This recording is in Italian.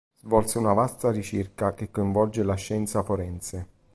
Svolse una vasta ricerca che coinvolge la scienza forense.